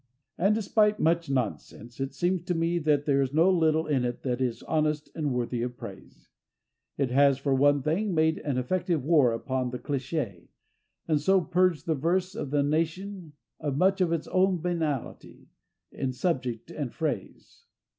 And, despite much nonsense, it seems to me that there is no little in it that is honest and worthy of praise. It has, for one thing, made an effective war upon the cliché, and so purged the verse of the nation of much of its old banality in subject and phrase.